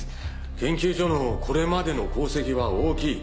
研究所のこれまでの功績は大きい。